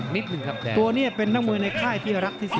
ไม่น่าใช่